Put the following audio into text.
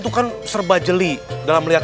itu kan serba jeli dalam melihat